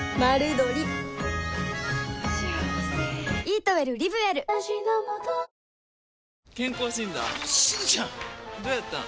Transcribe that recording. どやったん？